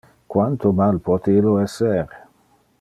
Quanto mal pote illo ser?